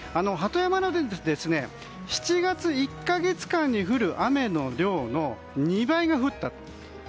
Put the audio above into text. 鳩山で７月１か月間に降る雨の量の２倍が降った。